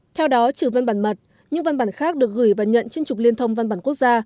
theo đó trừ văn bản mật những văn bản khác được gửi và nhận trên trục liên thông văn bản quốc gia